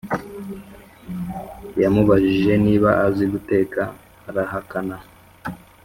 yamubajije niba azi guteka arahakana